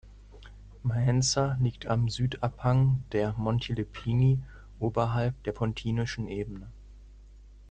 Maenza liegt am Südabhang der Monti Lepini oberhalb der Pontinischen Ebene.